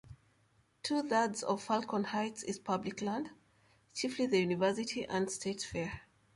Two-thirds of Falcon Heights is public land, chiefly the university and state fair.